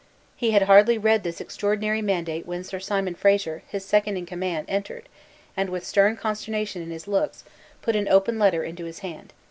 He had hardly read this extraordinary mandate when Sir Simon Fraser, his second in command, entered, and, with consternation in his looks, put an open letter into his hand.